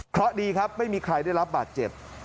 เพราะดีครับไม่มีใครได้รับบาดเจ็บ